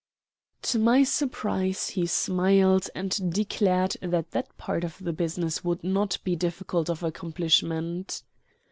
To my surprise he smiled and declared that that part of the business would not be difficult of accomplishment.